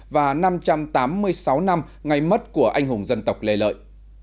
và năm trăm tám mươi sáu năm ngày mất của anh hùng dân tộc lê lợi